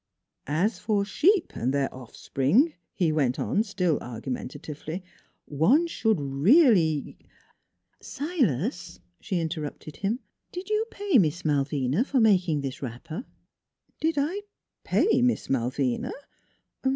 " As for sheep and their offspring," he went on, still argumentatively, " one should really "" Silas," she interrupted him, " did you pay Miss Malvina for making this wrapper? "" Did I pay Miss Malvina?